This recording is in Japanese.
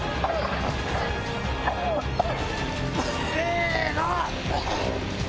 せの！